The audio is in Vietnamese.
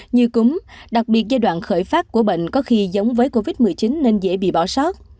như cúm đặc biệt giai đoạn khởi phát của bệnh có khi giống với covid một mươi chín nên dễ bị bỏ sót